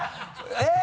えっ！